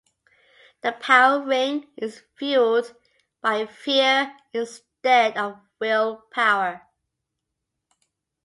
The power ring is fuelled by fear instead of willpower.